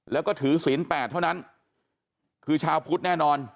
แล้วก็ถือศีลแปดเท่านั้นคือชาวพุทธแน่นอน